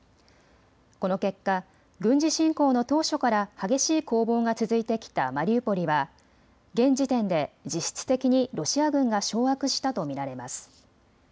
この結果、軍事侵攻の当初から激しい攻防が続いてきたマリウポリは現時点で実質的にロシア軍が掌握したと見られます。